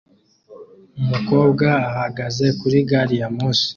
Umukobwa ahagaze kuri gari ya moshi